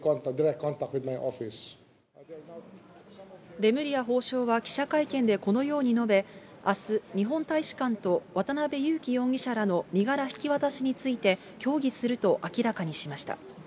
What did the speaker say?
レムリヤ法相は記者会見でこのように述べ、あす、日本大使館と渡辺優樹容疑者らの身柄引き渡しについて、協議すると明らかにしました。